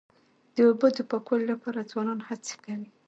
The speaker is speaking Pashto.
د اوبو د پاکوالي لپاره ځوانان هڅې کوي.